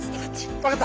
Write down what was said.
分かった。